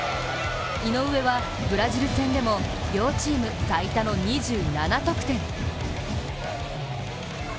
井上はブラジル戦でも両チーム最多の２７得点。